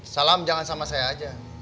salam jangan sama saya aja